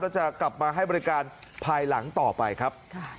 จะกลับมาให้บริการภายหลังต่อไปครับ